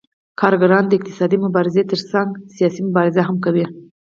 کارګران د اقتصادي مبارزې ترڅنګ سیاسي مبارزه هم کوي